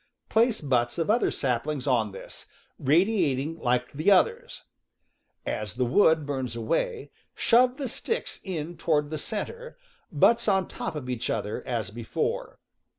Place butts of other saplings on this, radiating like the others. As the wood burns away, shove the sticks in toward the center, butts on top of each other, as before.